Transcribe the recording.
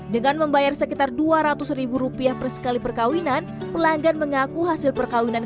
dengan membayar sekitar dua ratus ribu rupiah per sekali perkawinan pelanggan mengaku hasil perkawinan